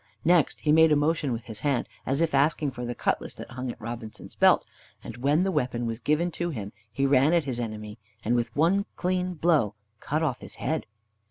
Next he made a motion with his hand, as if asking for the cutlass that hung at Robinson's belt, and when the weapon was given to him he ran at his enemy, and with one clean blow cut off his head.